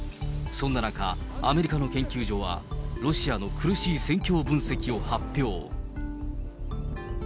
そんな中、アメリカの研究所は、ロシアの苦しい戦況分析を発表。